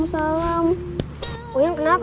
assalamualaikum walaikum salam